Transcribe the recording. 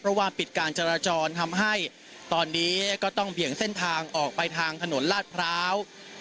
เพราะว่าปิดการจราจรทำให้ตอนนี้ก็ต้องเบี่ยงเส้นทางออกไปทางถนนลาดพร้าว